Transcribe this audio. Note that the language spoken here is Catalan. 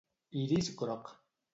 Iris groc.